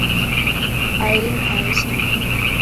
iron and steel